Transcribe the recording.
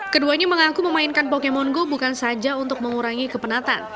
keduanya mengaku memainkan pokemon go bukan saja untuk mengurangi kepenatan